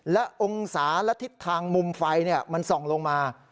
และองศาและทิศทางมุมไฟมันส่องลงมา